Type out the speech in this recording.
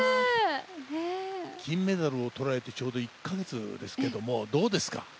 金メダルをとられて、ちょうど１か月ですがどうですか？